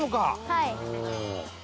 「はい」